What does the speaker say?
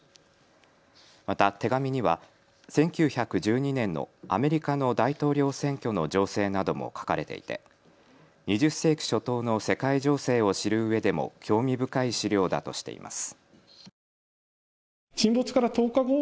また手紙には１９１２年のアメリカの大統領選挙の情勢なども書かれていて２０世紀初頭の世界情勢を知るうえでも興味深い史料だとしています。